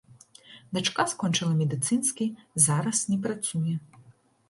Дачка скончыла медыцынскі, зараз не працуе.